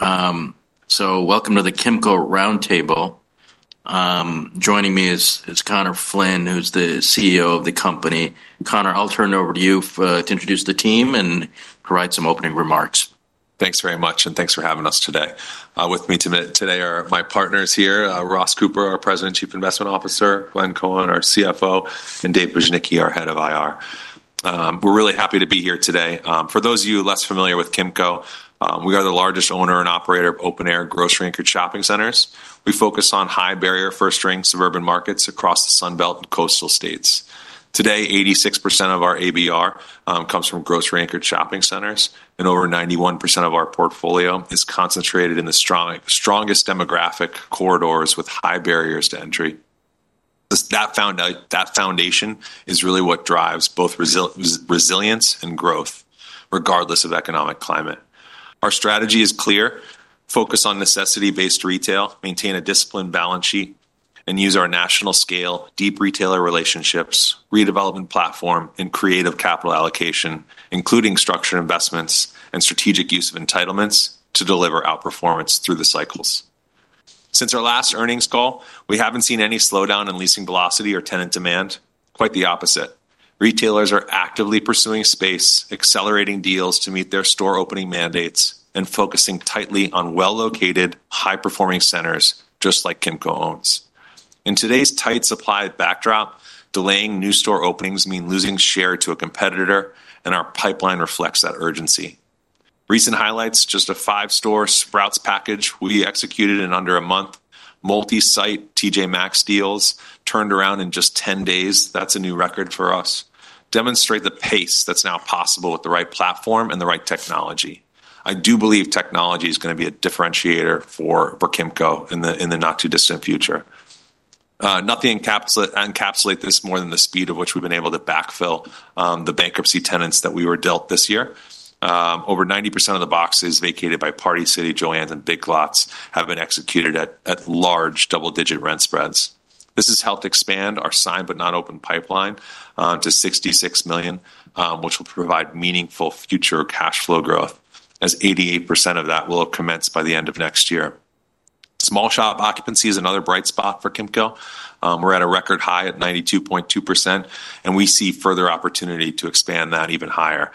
Welcome to the Kimco Roundtable. Joining me is Conor Flynn, who's the CEO of the company. Conor, I'll turn it over to you to introduce the team and provide some opening remarks. Thanks very much, and thanks for having us today. With me today are my partners here, Ross Cooper, our President, Chief Investment Officer, Glenn Cohen, our CFO, and Dave Bujnicki, our Head of IR. We're really happy to be here today. For those of you less familiar with Kimco, we are the largest owner and operator of open-air grocery-anchored shopping centers. We focus on high-barrier, first-ring suburban markets across the Sun Belt and Coastal States. Today, 86% of our ABR comes from grocery-anchored shopping centers, and over 91% of our portfolio is concentrated in the strongest demographic corridors with high barriers to entry. That foundation is really what drives both resilience and growth, regardless of economic climate. Our strategy is clear: focus on necessity-based retail, maintain a disciplined balance sheet, and use our national scale, deep retailer relationships, redevelopment platform, and creative capital allocation, including structured investments and strategic use of entitlements to deliver outperformance through the cycles. Since our last Earnings Call, we haven't seen any slowdown in leasing velocity or tenant demand, quite the opposite. Retailers are actively pursuing space, accelerating deals to meet their store opening mandates, and focusing tightly on well-located, high-performing centers just like Kimco owns. In today's tight supply backdrop, delaying new store openings means losing share to a competitor, and our pipeline reflects that urgency. Recent highlights: just a five-store Sprouts package we executed in under a month, multi-site TJ Maxx deals turned around in just 10 days, that's a new record for us, demonstrate the pace that's now possible with the right platform and the right technology. I do believe technology is going to be a differentiator for Kimco in the not-too-distant future. Nothing encapsulates this more than the speed at which we've been able to backfill the bankruptcy tenants that we were dealt this year. Over 90% of the boxes vacated by Party City, Joann, and Big Lots have been executed at large double-digit rent spreads. This has helped expand our sign-but-not-open pipeline to $66 million, which will provide meaningful future cash flow growth, as 88% of that will have commenced by the end of next year. Small shop occupancy is another bright spot for Kimco. We're at a record high at 92.2%, and we see further opportunity to expand that even higher,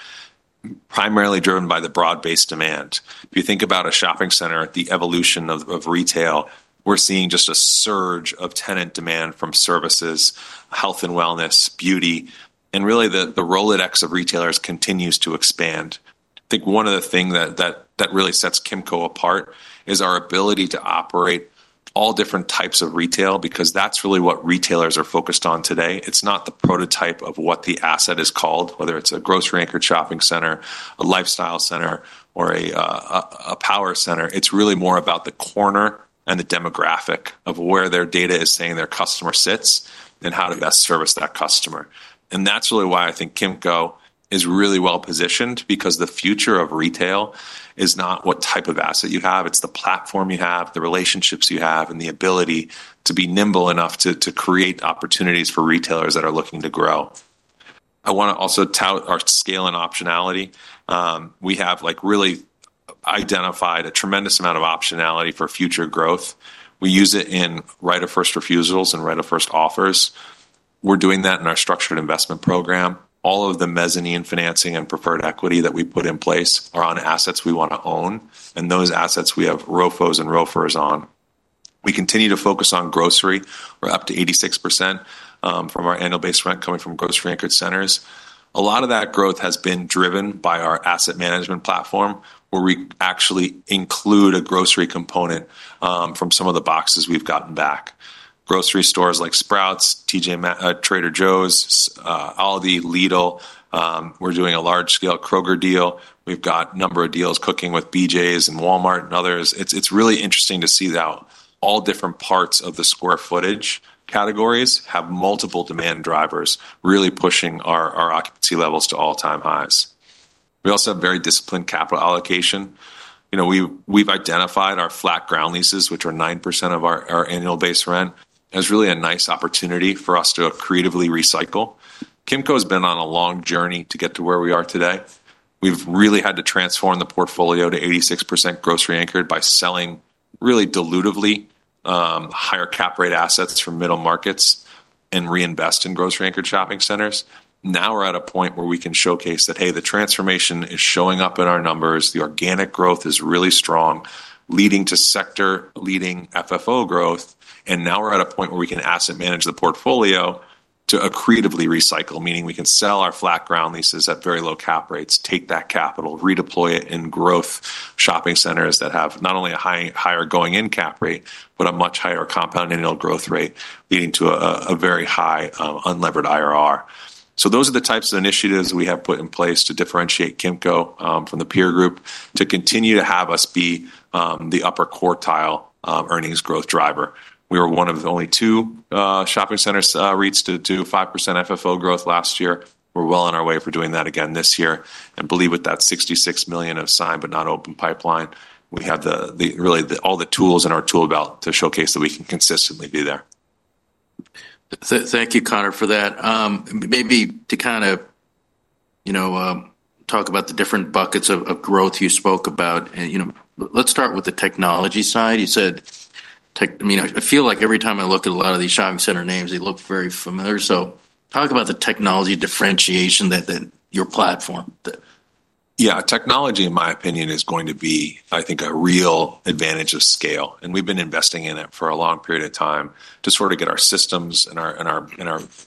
primarily driven by the broad-based demand. If you think about a shopping center at the evolution of retail, we're seeing just a surge of tenant demand from services, health and wellness, beauty, and really the Rolodex of retailers continues to expand. I think one of the things that really sets Kimco apart is our ability to operate all different types of retail, because that's really what retailers are focused on today. It's not the prototype of what the asset is called, whether it's a grocery-anchored shopping center, a lifestyle center, or a power center. It's really more about the corner and the demographic of where their data is saying their customer sits and how to best service that customer. That's really why I think Kimco is really well positioned, because the future of retail is not what type of asset you have, it's the platform you have, the relationships you have, and the ability to be nimble enough to create opportunities for retailers that are looking to grow. I want to also tout our scale and optionality. We have really identified a tremendous amount of optionality for future growth. We use it in right-of-first refusals and right-of-first offers. We're doing that in our structured investment program. All of the mezzanine financing and preferred equity that we put in place are on assets we want to own, and those assets we have ROFOs and ROFRs on. We continue to focus on grocery. We're up to 86% from our annual base rent coming from grocery-anchored centers. A lot of that growth has been driven by our asset management platform, where we actually include a grocery component from some of the boxes we've gotten back. Grocery stores like Sprouts, Trader Joe's, Aldi, Lidl, we're doing a large-scale Kroger deal. We've got a number of deals cooking with BJ's and Walmart and others. It's really interesting to see that all different parts of the square footage categories have multiple demand drivers really pushing our occupancy levels to all-time highs. We also have very disciplined capital allocation. We've identified our flat ground leases, which are 9% of our annual base rent, as really a nice opportunity for us to creatively recycle. Kimco's been on a long journey to get to where we are today. We've really had to transform the portfolio to 86% grocery-anchored by selling really dilutively, higher cap rate assets for middle markets and reinvest in grocery-anchored shopping centers. Now we're at a point where we can showcase that, hey, the transformation is showing up in our numbers. The organic growth is really strong, leading to sector-leading FFO growth. Now we're at a point where we can asset manage the portfolio to creatively recycle, meaning we can sell our flat ground leases at very low cap rates, take that capital, redeploy it in growth shopping centers that have not only a higher going-in cap rate, but a much higher compound annual growth rate, leading to a very high unlevered IRR. Those are the types of initiatives we have put in place to differentiate Kimco from the peer group to continue to have us be the upper quartile earnings growth driver. We were one of the only two shopping center REITs to do 5% FFO growth last year. We're well on our way for doing that again this year. I believe with that $66 million of sign-but-not-open pipeline, we have really all the tools in our tool belt to showcase that we can consistently do that. Thank you, Conor, for that. Maybe to kind of talk about the different buckets of growth you spoke about, let's start with the technology side. You said, I mean, I feel like every time I look at a lot of these shopping center names, they look very familiar. Talk about the technology differentiation that your platform. Yeah, technology, in my opinion, is going to be, I think, a real advantage of scale. We've been investing in it for a long period of time to sort of get our systems and our,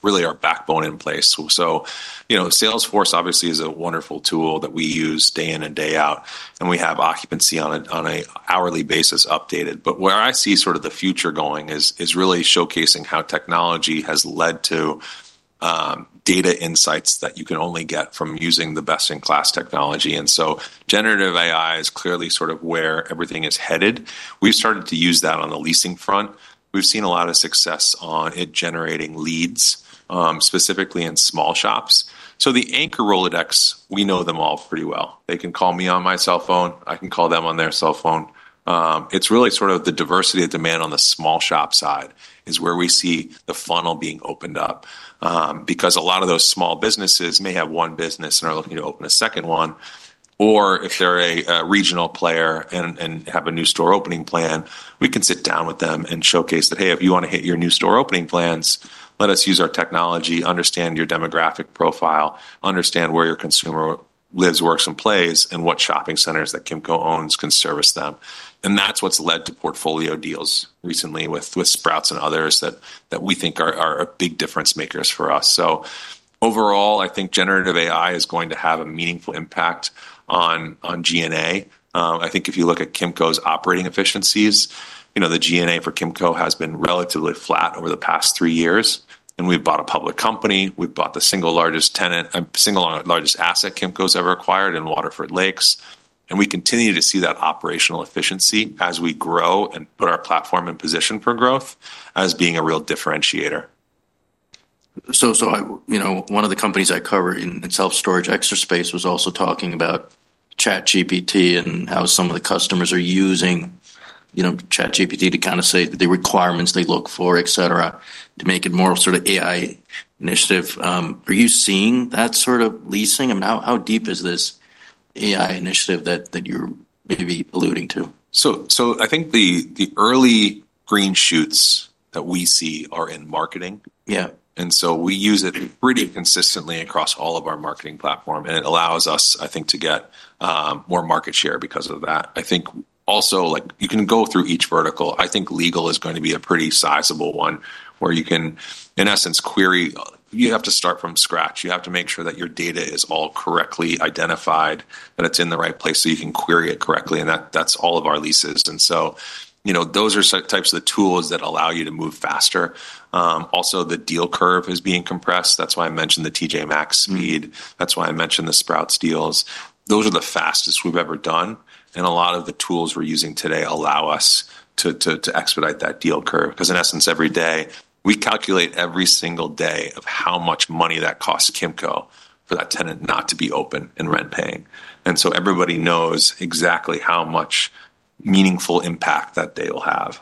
really, our backbone in place. Salesforce obviously is a wonderful tool that we use day in and day out, and we have occupancy on an hourly basis updated. Where I see sort of the future going is really showcasing how technology has led to data insights that you can only get from using the best-in-class technology. Generative AI is clearly sort of where everything is headed. We've started to use that on the leasing front. We've seen a lot of success in generating leads, specifically in small shops. The anchor Rolodex, we know them all pretty well. They can call me on my cell phone. I can call them on their cell phone. It's really sort of the diversity of demand on the small shop side is where we see the funnel being opened up. A lot of those small businesses may have one business and are looking to open a second one, or if they're a regional player and have a new store opening plan, we can sit down with them and showcase that, hey, if you want to hit your new store opening plans, let us use our technology, understand your demographic profile, understand where your consumer lives, works, and plays, and what shopping centers that Kimco owns can service them. That's what's led to portfolio deals recently with Sprouts and others that we think are big difference makers for us. Overall, I think generative AI is going to have a meaningful impact on G&A. If you look at Kimco's operating efficiencies, the G&A for Kimco has been relatively flat over the past three years. We've bought a public company. We've bought the single largest tenant, single largest asset Kimco's ever acquired in Waterford Lakes. We continue to see that operational efficiency as we grow and put our platform in position for growth as being a real differentiator. One of the companies I covered in self-storage, Extra Space, was also talking about ChatGPT and how some of the customers are using ChatGPT to kind of say the requirements they look for, etc., to make it more of sort of AI initiative. Are you seeing that sort of leasing? I mean, how deep is this AI initiative that you're maybe alluding to? I think the early green shoots that we see are in marketing. Yeah. We use it pretty consistently across all of our marketing platform. It allows us, I think, to get more market share because of that. I think also, you can go through each vertical. I think legal is going to be a pretty sizable one where you can, in essence, query. You have to start from scratch. You have to make sure that your data is all correctly identified, that it's in the right place so you can query it correctly. That's all of our leases. Those are types of tools that allow you to move faster. Also, the deal curve is being compressed. That's why I mentioned the TJ Maxx speed. That's why I mentioned the Sprouts deals. Those are the fastest we've ever done. A lot of the tools we're using today allow us to expedite that deal curve. In essence, every day, we calculate every single day of how much money that costs Kimco for that tenant not to be open and rent paying. Everybody knows exactly how much meaningful impact that day will have.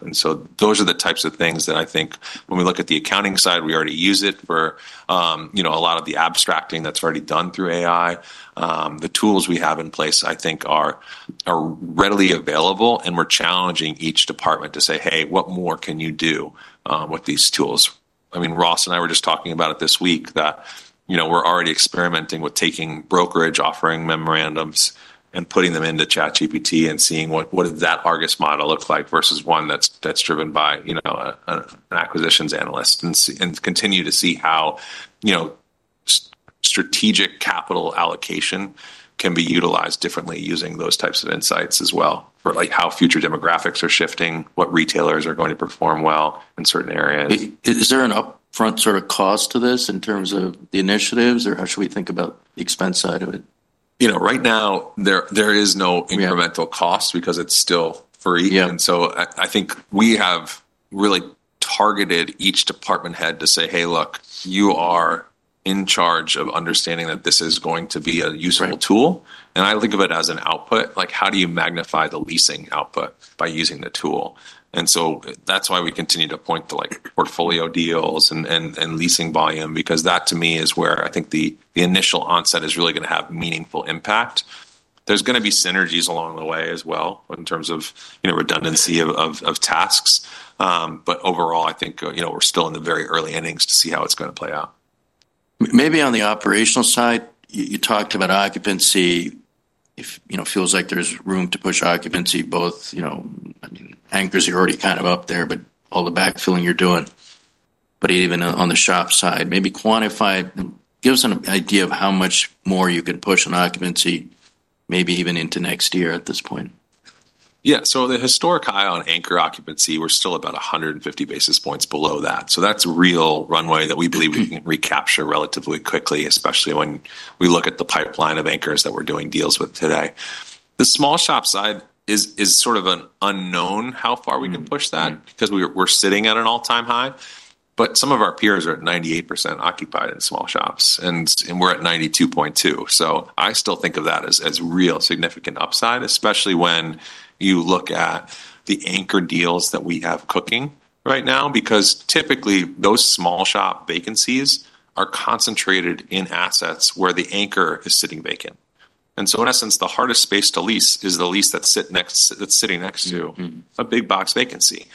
Those are the types of things that I think when we look at the accounting side, we already use it. A lot of the abstracting that's already done through AI. The tools we have in place, I think, are readily available. We're challenging each department to say, hey, what more can you do with these tools? Ross and I were just talking about it this week that we're already experimenting with taking brokerage offering memorandums and putting them into ChatGPT and seeing what does that [Argus model] look like versus one that's driven by an acquisitions analyst and continue to see how strategic capital allocation can be utilized differently using those types of insights as well for how future demographics are shifting, what retailers are going to perform well in certain areas. Is there an upfront sort of cost to this in terms of the initiatives, or how should we think about the expense side of it? You know, right now there is no incremental cost because it's still free. I think we have really targeted each department head to say, hey, look, you are in charge of understanding that this is going to be a useful tool. I think of it as an output. Like, how do you magnify the leasing output by using the tool? That's why we continue to point to portfolio deals and leasing volume, because that to me is where I think the initial onset is really going to have meaningful impact. There is going to be synergies along the way as well in terms of redundancy of tasks. Overall, I think we're still in the very early innings to see how it's going to play out. Maybe on the operational side, you talked about occupancy. It feels like there's room to push occupancy both, you know, anchors are already kind of up there, with all the backfilling you're doing. Even on the shop side, maybe quantify it and give us an idea of how much more you can push on occupancy, maybe even into next year at this point. Yeah, so the historic high on anchor occupancy, we're still about 150 basis points below that. That's real runway that we believe we can recapture relatively quickly, especially when we look at the pipeline of anchors that we're doing deals with today. The small shop side is sort of an unknown how far we can push that because we're sitting at an all-time high. Some of our peers are at 98% occupied in small shops, and we're at 92.2%. I still think of that as real significant upside, especially when you look at the anchor deals that we have cooking right now, because typically those small shop vacancies are concentrated in assets where the anchor is sitting vacant. In essence, the hardest space to lease is the lease that's sitting next to a big box vacancy.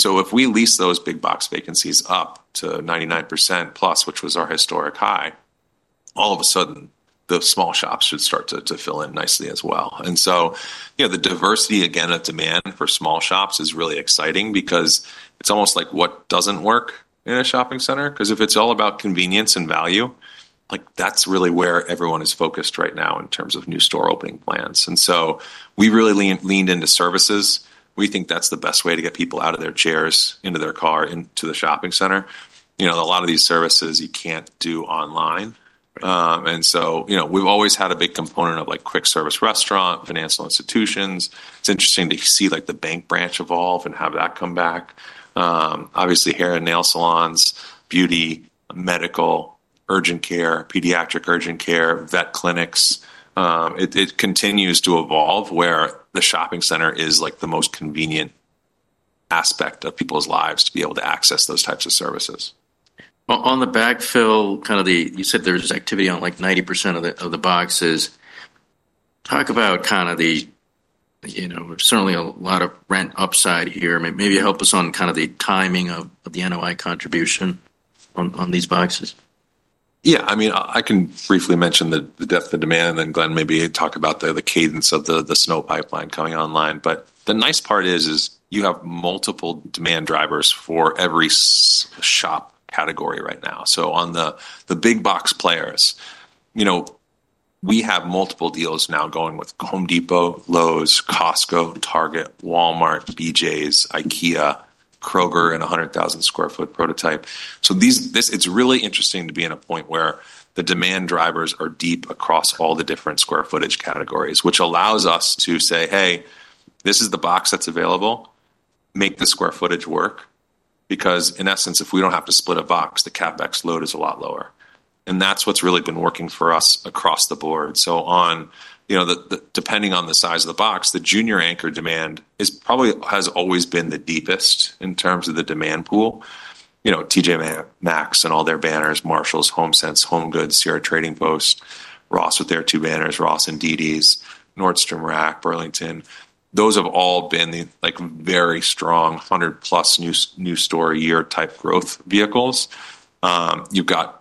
If we lease those big box vacancies up to 99%+, which was our historic high, all of a sudden the small shops should start to fill in nicely as well. The diversity again of demand for small shops is really exciting because it's almost like what doesn't work in a shopping center. If it's all about convenience and value, that's really where everyone is focused right now in terms of new store opening plans. We really leaned into services. We think that's the best way to get people out of their chairs, into their car, into the shopping center. A lot of these services you can't do online. We've always had a big component of quick service restaurants, financial institutions. It's interesting to see the bank branch evolve and have that come back. Obviously hair and nail salons, beauty, medical, urgent care, pediatric urgent care, vet clinics. It continues to evolve where the shopping center is the most convenient aspect of people's lives to be able to access those types of services. On the backfill, you said there's activity on like 90% of the boxes. Talk about the, you know, certainly a lot of rent upside here. Maybe help us on the timing of the NOI contribution on these boxes. Yeah, I mean, I can briefly mention the depth of demand and then Glenn maybe talk about the cadence of the sign-but-not-open pipeline coming online. The nice part is you have multiple demand drivers for every shop category right now. On the big box players, we have multiple deals now going with Home Depot, Lowe's, Costco, Target, Walmart, BJ's, IKEA, Kroger, and 100,000 sq ft prototype. It's really interesting to be in a point where the demand drivers are deep across all the different square footage categories, which allows us to say, hey, this is the box that's available. Make the square footage work. In essence, if we don't have to split a box, the CapEx load is a lot lower. That's what's really been working for us across the board. Depending on the size of the box, the junior anchor demand has always been the deepest in terms of the demand pool. TJ Maxx and all their banners, Marshalls, Homesense, HomeGoods, Sierra Trading Post, Ross with their two banners, Ross and dd's, Nordstrom Rack, Burlington, those have all been the very strong 100+ new store year type growth vehicles. You've got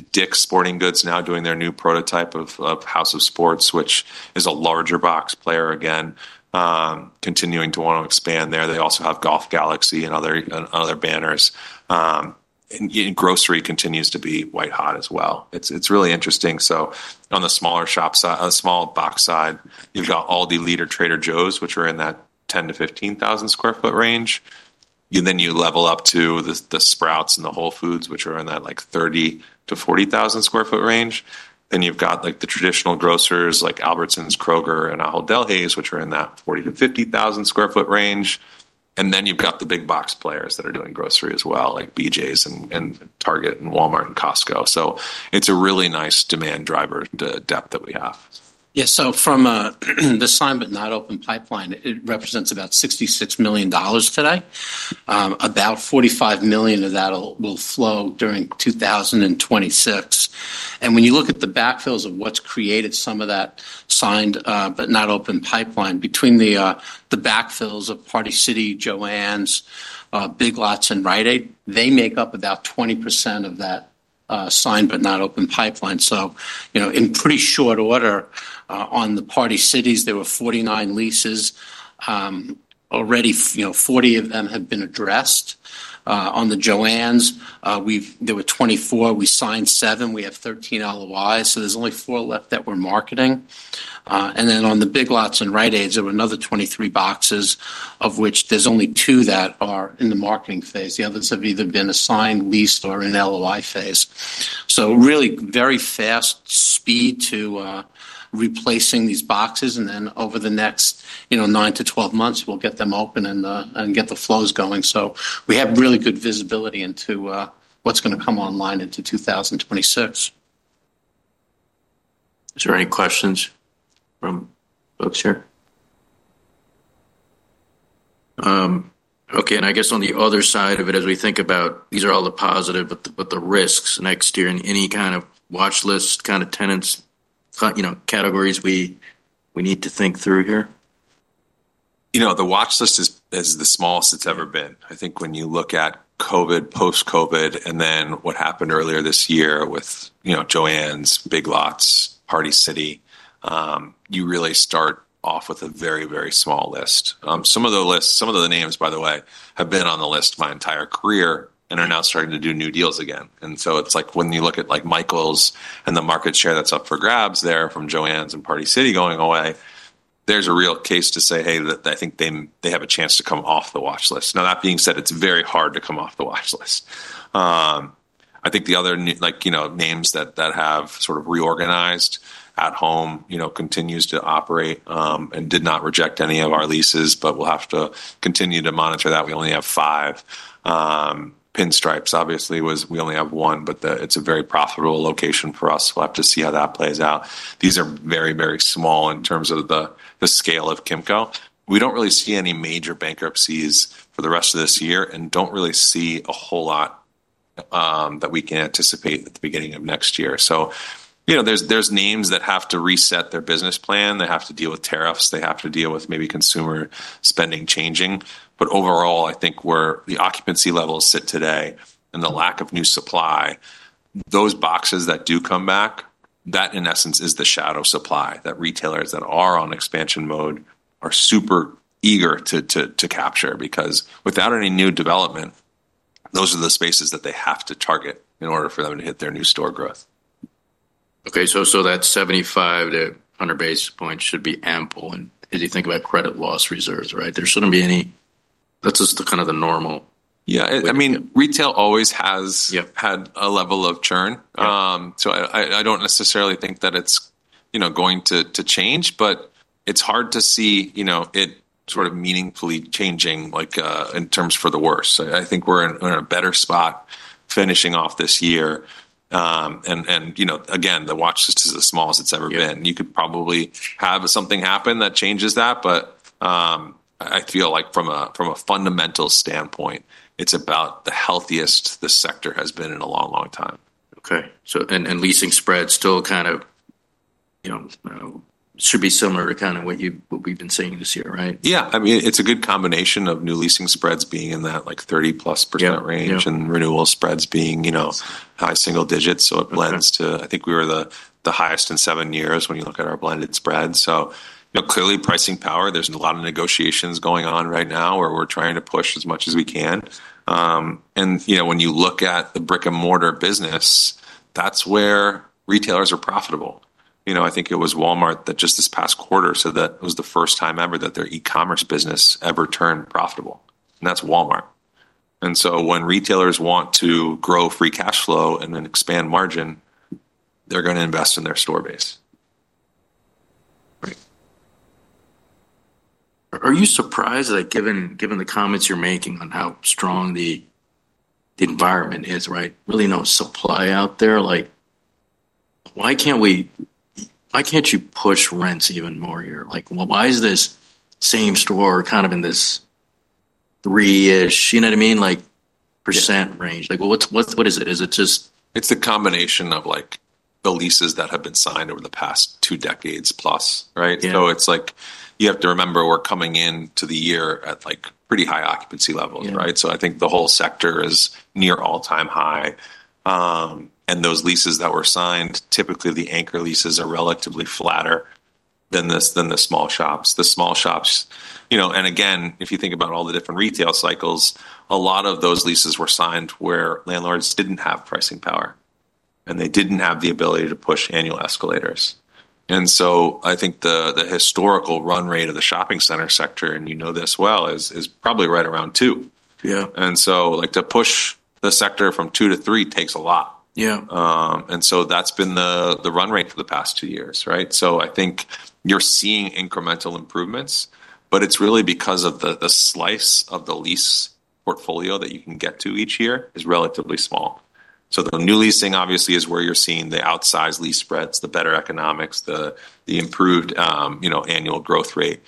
Dick's Sporting Goods now doing their new prototype of House of Sports, which is a larger box player again, continuing to want to expand there. They also have Golf Galaxy and other banners. Grocery continues to be quite hot as well. It's really interesting. On the smaller shop side, on the small box side, you've got Aldi, Lidl, Trader Joe's, which are in that 10,000-15,000 sq ft range. Then you level up to the Sprouts and the Whole Foods, which are in that 30,000-40,000 sq ft range. You've got the traditional grocers like Albertsons, Kroger, and Ahold Delhaize, which are in that 40,000-50,000 sq ft range. Then you've got the big box players that are doing grocery as well, like BJ's, Target, Walmart, and Costco. It's a really nice demand driver depth that we have. Yeah, from the sign-but-not-open pipeline, it represents about $66 million today. About $45 million of that will flow during 2026. When you look at the backfills of what's created, some of that sign-but-not-open pipeline between the backfills of Party City, Joann's, Big Lots, and Rite Aid, they make up about 20% of that sign-but-not-open pipeline. In pretty short order, on the Party City, there were 49 leases already. Forty of them have been addressed. On the Joann's, there were 24. We signed seven. We have 13 LOIs. There's only four left that we're marketing. On the Big Lots and Rite Aid, there were another 23 boxes, of which there's only two that are in the marketing phase. The others have either been signed, leased, or are in the LOI phase. Really very fast speed to replacing these boxes. Over the next nine to 12 months, we'll get them open and get the flows going. We have really good visibility into what's going to come online into 2026. Are there any questions from folks here? On the other side of it, as we think about these are all the positives, but the risks next year and any kind of watchlist kind of tenants, categories we need to think through here? You know, the watchlist is the smallest it's ever been. I think when you look at COVID, post-COVID, and then what happened earlier this year with, you know, Joann's, Big Lots, Party City, you really start off with a very, very small list. Some of the names, by the way, have been on the list my entire career and are now starting to do new deals again. It's like when you look at like Michaels and the market share that's up for grabs there from Joann's and Party City going away, there's a real case to say, hey, that I think they have a chance to come off the watchlist. That being said, it's very hard to come off the watchlist. I think the other names that have sort of reorganized at home, you know, continues to operate and did not reject any of our leases, but we'll have to continue to monitor that. We only have five pinstripes. Obviously, we only have one, but it's a very profitable location for us. We'll have to see how that plays out. These are very, very small in terms of the scale of Kimco. We don't really see any major bankruptcies for the rest of this year and don't really see a whole lot that we can anticipate at the beginning of next year. There are names that have to reset their business plan. They have to deal with tariffs. They have to deal with maybe consumer spending changing. Overall, I think where the occupancy levels sit today and the lack of new supply, those boxes that do come back, that in essence is the shadow supply that retailers that are on expansion mode are super eager to capture because without any new development, those are the spaces that they have to target in order for them to hit their new store growth. Okay, that 75-100 basis points should be ample. As you think about credit loss reserves, right? There shouldn't be any, that's just kind of the normal. Yeah, I mean, [Retail] always has had a level of churn. I don't necessarily think that it's going to change, but it's hard to see it sort of meaningfully changing in terms for the worst. I think we're in a better spot finishing off this year. The watchlist is as small as it's ever been. You could probably have something happen that changes that, but I feel like from a fundamental standpoint, it's about the healthiest the sector has been in a long, long time. Okay, leasing spreads still kind of, you know, should be similar to kind of what you, what we've been seeing this year, right? Yeah, I mean, it's a good combination of new leasing spreads being in that like 30%+ range and renewal spreads being, you know, high single digits. It blends to, I think we were the highest in seven years when you look at our blended spreads. Clearly, pricing power, there's a lot of negotiations going on right now where we're trying to push as much as we can. When you look at the brick-and-mortar business, that's where retailers are profitable. I think it was Walmart that just this past quarter said that it was the first time ever that their e-commerce business ever turned profitable. That's Walmart. When retailers want to grow free cash flow and then expand margin, they're going to invest in their store base. Are you surprised that given the comments you're making on how strong the environment is, right? Really no supply out there. Why can't we, why can't you push rents even more here? Why is this same-store kind of in this 3-ish, you know what I mean, percent range? What is it? Is it just... It's the combination of like the leases that have been signed over the past two decades plus, right? You have to remember we're coming into the year at pretty high occupancy levels, right? I think the whole sector is near all-time high. Those leases that were signed, typically the anchor leases are relatively flatter than the small shops. The small shops, you know, and again, if you think about all the different retail cycles, a lot of those leases were signed where landlords didn't have pricing power. They didn't have the ability to push annual escalators. I think the historical run rate of the shopping center sector, and you know this well, is probably right around two. Yeah. To push the sector from two to three takes a lot. Yeah. That's been the run rate for the past two years, right? I think you're seeing incremental improvements, but it's really because the slice of the lease portfolio that you can get to each year is relatively small. The new leasing obviously is where you're seeing the outsized lease spreads, the better economics, the improved annual growth rate.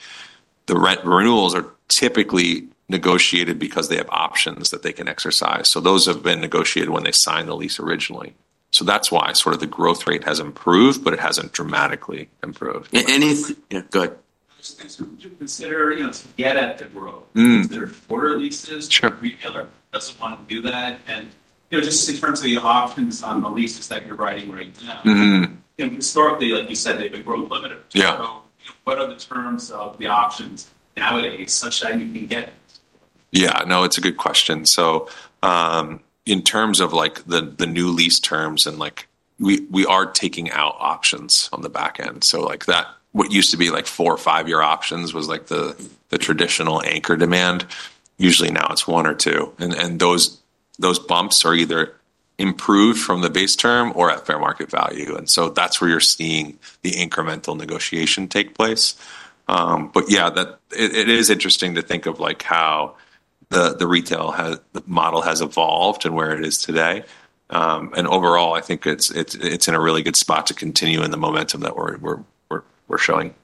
The rent renewals are typically negotiated because they have options that they can exercise. Those have been negotiated when they signed the lease originally. That's why the growth rate has improved, but it hasn't dramatically improved. Anything? Yeah, go ahead. We do consider getting quarter leases. Sure. We just want to do that. In terms of the options on the leases that you're working with. Mm-hmm. You saw the... What are the terms of the options nowadays such that you can get? Yeah, no, it's a good question. In terms of the new lease terms, we are taking out options on the back end. What used to be four or five-year options was the traditional anchor demand. Usually now it's one or two. Those bumps are either improved from the base term or at fair market value. That's where you're seeing the incremental negotiation take place. It is interesting to think of how the retail model has evolved and where it is today. Overall, I think it's in a really good spot to continue in the momentum that we're showing.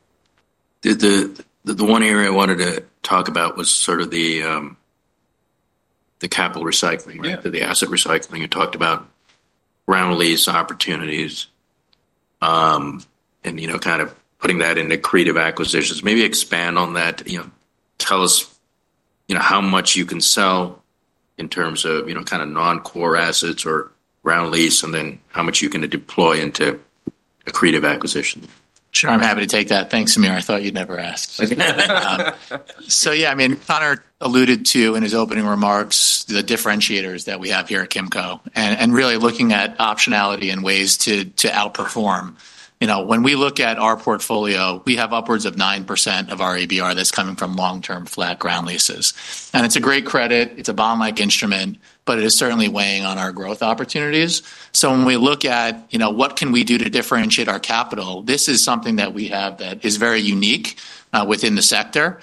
The one area I wanted to talk about was sort of the capital recycling, the asset recycling you talked about, ground lease opportunities, and putting that into creative acquisitions. Maybe expand on that. Tell us how much you can sell in terms of non-core assets or ground lease, and then how much you can deploy into a creative acquisition. Sure, I'm happy to take that. Thanks, Samir. I thought you'd never ask. Conor alluded to in his opening remarks the differentiators that we have here at Kimco and really looking at optionality and ways to outperform. When we look at our portfolio, we have upwards of 9% of our ABR that's coming from long-term flat ground leases. It's a great credit. It's a bond-like instrument, but it is certainly weighing on our growth opportunities. When we look at what can we do to differentiate our capital, this is something that we have that is very unique within the sector.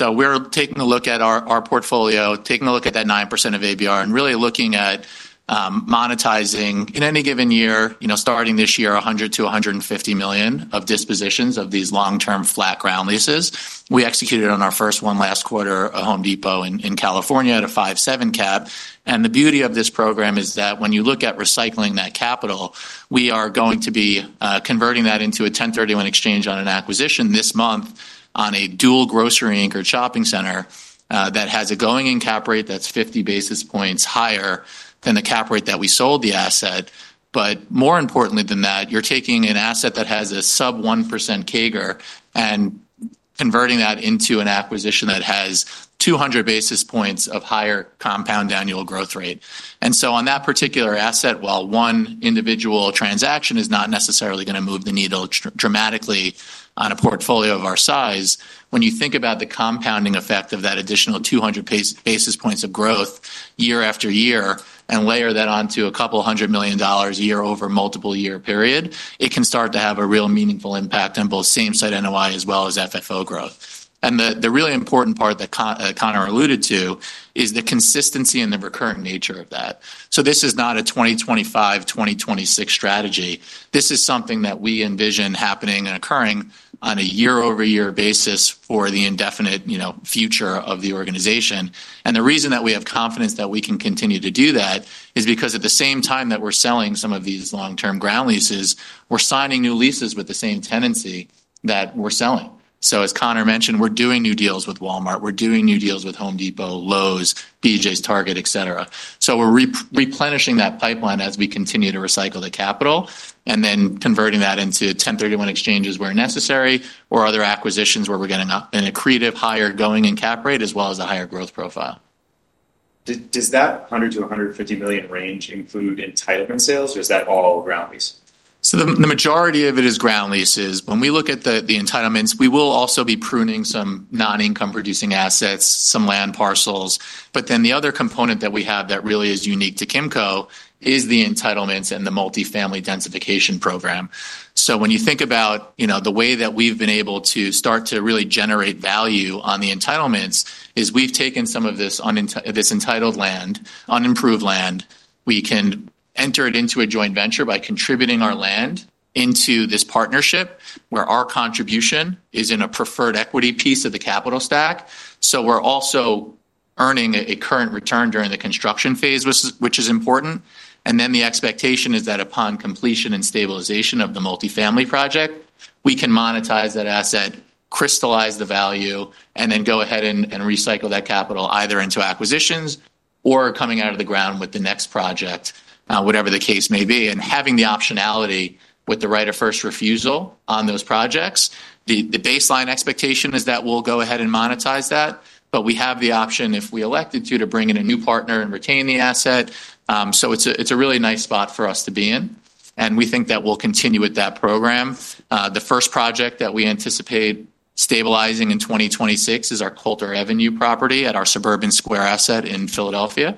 We're taking a look at our portfolio, taking a look at that 9% of ABR, and really looking at monetizing in any given year, starting this year, $100 million-$150 million of dispositions of these long-term flat ground leases. We executed on our first one last quarter at Home Depot in California at a [5.7 cap]. The beauty of this program is that when you look at recycling that capital, we are going to be converting that into a 1031 exchange on an acquisition this month on a dual grocery-anchored shopping center that has a going in cap rate that's 50 basis points higher than the cap rate that we sold the asset. More importantly than that, you're taking an asset that has a sub-1% CAGR and converting that into an acquisition that has 200 basis points of higher compound annual growth rate. On that particular asset, while one individual transaction is not necessarily going to move the needle dramatically on a portfolio of our size, when you think about the compounding effect of that additional 200 basis points of growth year after year and layer that onto a couple hundred million dollars a year over a multiple year period, it can start to have a real meaningful impact on both same-site NOI as well as FFO growth. The really important part that Conor alluded to is the consistency and the recurrent nature of that. This is not a 2025-2026 strategy. This is something that we envision happening and occurring on a year-over-year basis for the indefinite future of the organization. The reason that we have confidence that we can continue to do that is because at the same time that we're selling some of these long-term ground leases, we're signing new leases with the same tenancy that we're selling. As Conor mentioned, we're doing new deals with Walmart, we're doing new deals with Home Depot, Lowe's, BJ's, Target, etc. We're replenishing that pipeline as we continue to recycle the capital and then converting that into 1031 exchanges where necessary or other acquisitions where we're getting a creative higher going in cap rate as well as a higher growth profile. Does that $100 million-$150 million range include entitlement sales, or is that all ground lease? The majority of it is ground leases. When we look at the entitlements, we will also be pruning some non-income-producing assets, some land parcels. The other component that we have that really is unique to Kimco is the entitlements and the multifamily densification program. When you think about the way that we've been able to start to really generate value on the entitlements, we've taken some of this entitled land, unimproved land. We can enter it into a joint venture by contributing our land into this partnership where our contribution is in a preferred equity piece of the capital stack. We're also earning a current return during the construction phase, which is important. The expectation is that upon completion and stabilization of the multifamily project, we can monetize that asset, crystallize the value, and then go ahead and recycle that capital either into acquisitions or coming out of the ground with the next project, whatever the case may be, and having the optionality with the right of first refusal on those projects. The baseline expectation is that we'll go ahead and monetize that, but we have the option, if we elected to, to bring in a new partner and retain the asset. It's a really nice spot for us to be in. We think that we'll continue with that program. The first project that we anticipate stabilizing in 2026 is our Colter Avenue property at our Suburban Square asset in Philadelphia.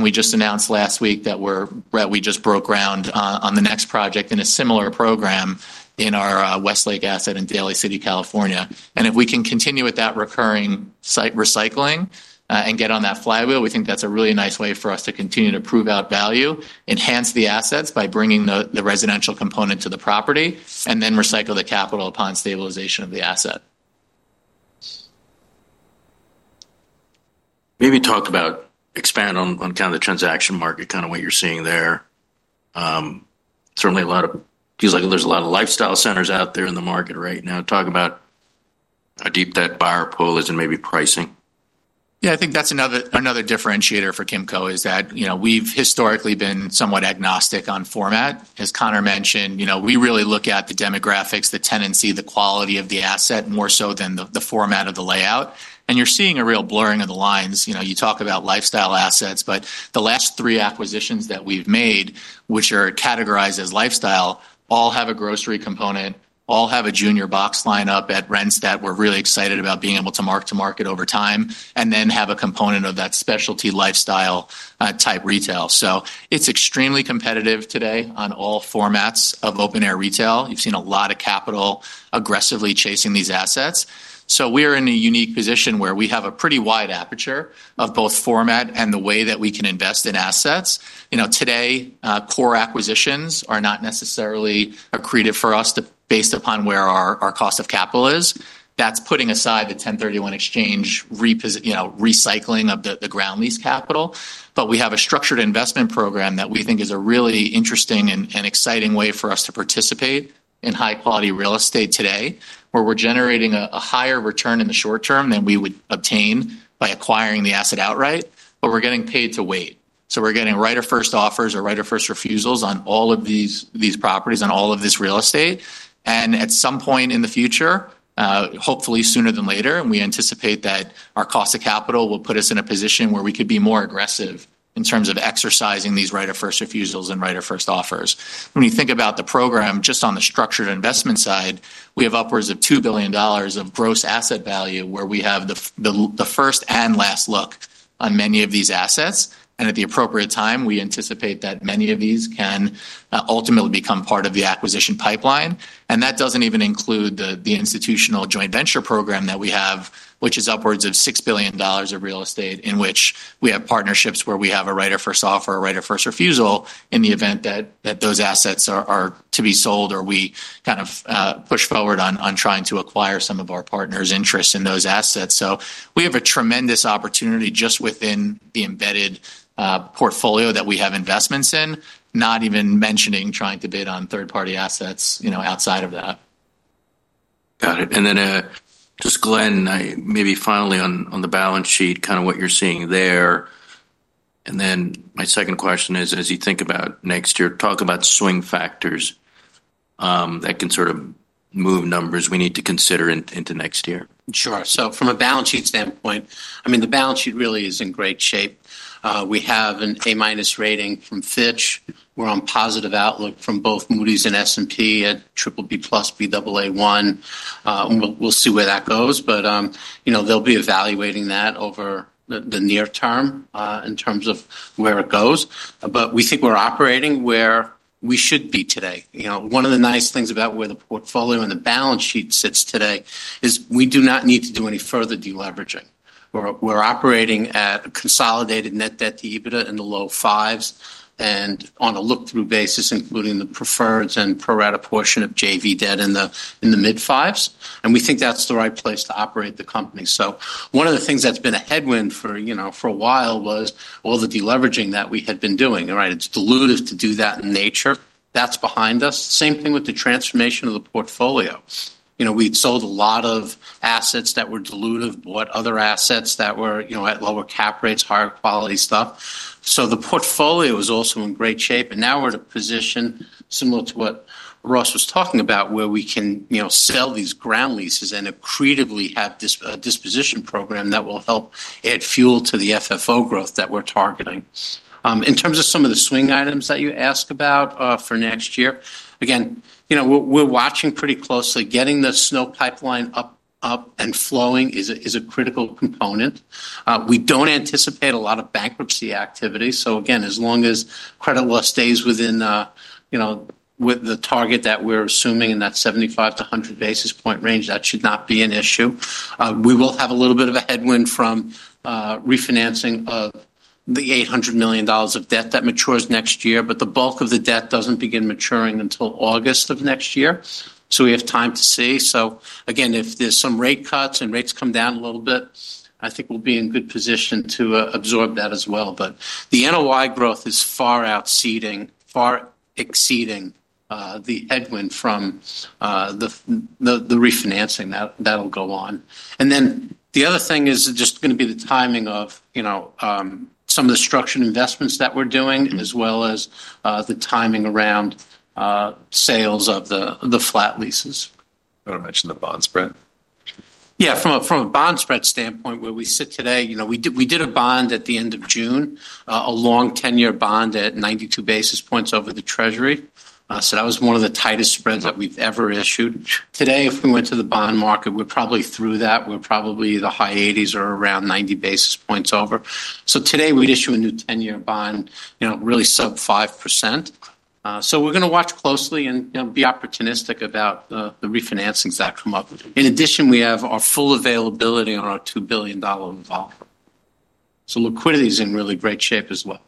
We just announced last week that we just broke ground on the next project in a similar program in our Westlake asset in Daly City, California. If we can continue with that recurring site recycling and get on that flywheel, we think that's a really nice way for us to continue to prove out value, enhance the assets by bringing the residential component to the property, and then recycle the capital upon stabilization of the asset. Maybe talk about, expand on kind of the transaction market, what you're seeing there. Certainly, it feels like there's a lot of lifestyle centers out there in the market right now. Talk about a deep debt buyer pool and maybe pricing. Yeah, I think that's another differentiator for Kimco is that, you know, we've historically been somewhat agnostic on format. As Conor mentioned, you know, we really look at the demographics, the tenancy, the quality of the asset more so than the format of the layout. You're seeing a real blurring of the lines. You know, you talk about lifestyle assets, but the last three acquisitions that we've made, which are categorized as lifestyle, all have a grocery component, all have a junior box lineup at Renstat. We're really excited about being able to mark to market over time and then have a component of that specialty lifestyle type retail. It's extremely competitive today on all formats of open-air retail. You've seen a lot of capital aggressively chasing these assets. We are in a unique position where we have a pretty wide aperture of both format and the way that we can invest in assets. Today, core acquisitions are not necessarily accretive for us based upon where our cost of capital is. That's putting aside the 1031 exchange, you know, recycling of the ground lease capital. We have a structured investment program that we think is a really interesting and exciting way for us to participate in high-quality real estate today, where we're generating a higher return in the short term than we would obtain by acquiring the asset outright, but we're getting paid to wait. We're getting right-of-first offers or right-of-first refusals on all of these properties and all of this real estate. At some point in the future, hopefully sooner than later, we anticipate that our cost of capital will put us in a position where we could be more aggressive in terms of exercising these right-of-first refusals and right-of-first offers. When you think about the program just on the structured investment side, we have upwards of $2 billion of gross asset value where we have the first and last look on many of these assets. At the appropriate time, we anticipate that many of these can ultimately become part of the acquisition pipeline. That doesn't even include the institutional joint venture program that we have, which is upwards of $6 billion of real estate in which we have partnerships where we have a right-of-first offer or right-of-first refusal in the event that those assets are to be sold or we kind of push forward on trying to acquire some of our partners' interests in those assets. We have a tremendous opportunity just within the embedded portfolio that we have investments in, not even mentioning trying to bid on third-party assets, you know, outside of that. Got it. Glenn, maybe finally on the balance sheet, kind of what you're seeing there. My second question is, as you think about next year, talk about swing factors that can sort of move numbers we need to consider into next year. Sure. So from a balance sheet standpoint, I mean, the balance sheet really is in great shape. We have an A- rating from Fitch. We're on positive outlook from both Moody’s and S&P at BBB+ Baa1. We'll see where that goes. They'll be evaluating that over the near term in terms of where it goes. We think we're operating where we should be today. One of the nice things about where the portfolio and the balance sheet sits today is we do not need to do any further deleveraging. We're operating at a consolidated net debt to EBITDA in the low fives and on a look-through basis, including the preferred and pro-rata portion of JV debt in the mid-fives. We think that's the right place to operate the company. One of the things that's been a headwind for a while was all the deleveraging that we had been doing. It's dilutive to do that in nature. That's behind us. Same thing with the transformation of the portfolio. We'd sold a lot of assets that were dilutive, bought other assets that were at lower cap rates, higher quality stuff. The portfolio is also in great shape. Now we're in a position similar to what Ross was talking about, where we can sell these ground leases and accretively have this disposition program that will help add fuel to the FFO growth that we're targeting. In terms of some of the swing items that you ask about for next year, again, we're watching pretty closely. Getting the sign-but-not-open pipeline up and flowing is a critical component. We don't anticipate a lot of bankruptcy activity. As long as credit loss stays within the target that we're assuming in that 75-100 basis point range, that should not be an issue. We will have a little bit of a headwind from refinancing the $800 million of debt that matures next year, but the bulk of the debt doesn't begin maturing until August of next year. We have time to see. If there's some rate cuts and rates come down a little bit, I think we'll be in good position to absorb that as well. The NOI growth is far out exceeding the headwind from the refinancing that'll go on. The other thing is just going to be the timing of some of the structured investments that we're doing, as well as the timing around sales of the flat ground leases. I want to mention the bond spread. Yeah, from a bond spread standpoint where we sit today, you know, we did a bond at the end of June, a long 10-year bond at 92 basis points over the Treasury. That was one of the tightest spreads that we've ever issued. Today, if we went to the bond market, we're probably through that. We're probably the high 80s or around 90 basis points over. Today we'd issue a new 10-year bond, you know, really sub 5%. We're going to watch closely and be opportunistic about the refinancings that come up. In addition, we have our full availability on our $2 billion revolver. Liquidity is in really great shape as well.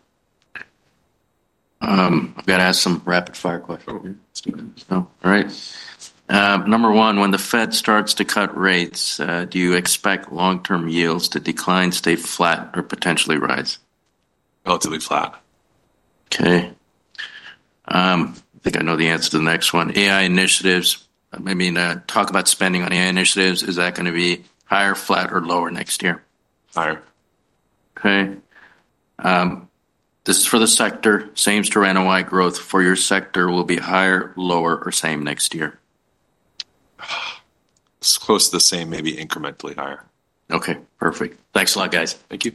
I'm going to ask some rapid-fire questions. All right. Number one, when the Fed starts to cut rates, do you expect long-term yields to decline, stay flat, or potentially rise? Relatively flat. Okay. I think I know the answer to the next one. AI initiatives. Maybe talk about spending on AI initiatives. Is that going to be higher, flat, or lower next year? Higher. Okay. This is for the sector. Same-store NOI growth for your sector will be higher, lower, or same next year? It's close to the same, maybe incrementally higher. Okay, perfect. Thanks a lot, guys. Thank you.